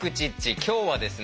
今日はですね